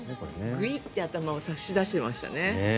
グイッて頭を差し出してましたね。